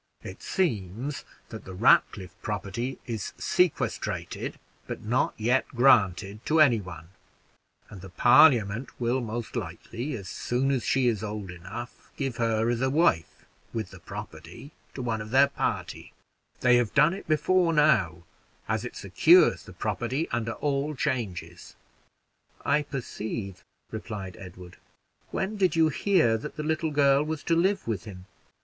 It seems that the Ratcliffe property is sequestrated, but not yet granted to any one; and the Parliament will most likely, as soon as she is old enough, give her as a wife, with the property, to one of their party; they have done it before now, as it secures the property under all changes." "I perceive," replied Edward. "When did you hear that the little girl was to live with him?"